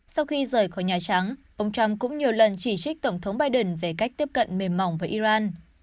sau khi rời khỏi nhà trắng ông trump cũng nhiều lần chỉ trích tổng thống biden về cách tiếp cận mềm mỏng với iran